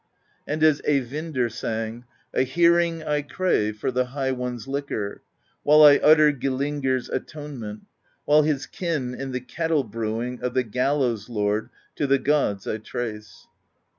And as Eyvindr sang: A hearing I crave For the High One's Liquor, While I utter Gillingr's Atonement; While his kin In the Kettle Brewing Of the Gallows Lord To the gods I trace.